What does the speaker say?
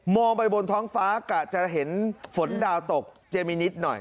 ไปบนท้องฟ้ากะจะเห็นฝนดาวตกเจมินิดหน่อย